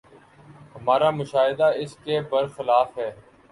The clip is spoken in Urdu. ہمارا مشاہدہ اس کے بر خلاف ہے۔